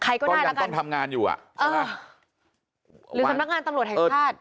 ใครก็ได้แล้วกันเออหรือสำนักงานตำรวจแห่งภาษา